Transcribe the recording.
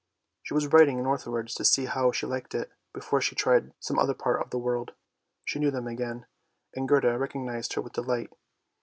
She was riding northwards to see how she liked it before she tried some other part of the world. She knew them again, and Gerda recognised her with delight.